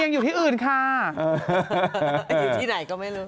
อยู่ที่ไหนก็ไม่รู้